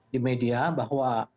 di media bahwa